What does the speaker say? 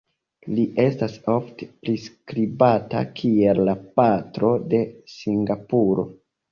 Li estas ofte priskribata kiel la "Patro de Singapuro".